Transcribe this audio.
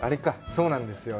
そうなんですよ。